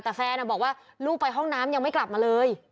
แต่แฟนบอกว่าลูกไปห้องน้ำยังไม่กลับมาเลย